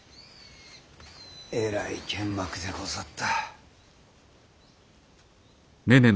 えらい剣幕でござった。